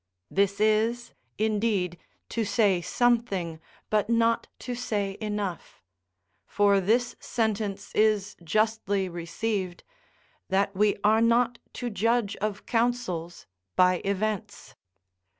This is, indeed, to say something, but not to say enough: for this sentence is justly received, "That we are not to judge of counsels by events."